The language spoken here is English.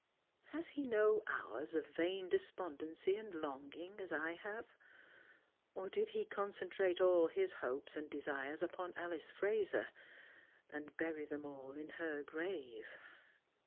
Has he no hours of vain despondency and longing, as I have ? Or did he concentrate all his hopes and desires upon Alice Eraser, and bury them all in her grave